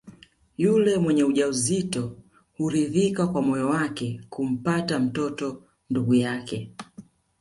Yule mwenye ujauzito huridhika kwa moyo wake kumpa mtoto ndugu yake